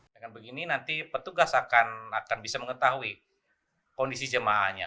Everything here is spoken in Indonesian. dengan begini nanti petugas akan bisa mengetahui kondisi jemaahnya